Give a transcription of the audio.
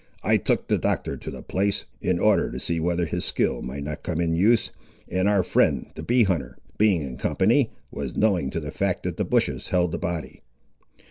I took the Doctor to the place, in order to see whether his skill might not come in use; and our friend, the bee hunter, being in company, was knowing to the fact that the bushes held the body."